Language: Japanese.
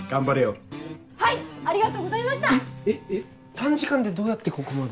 短時間でどうやってここまで？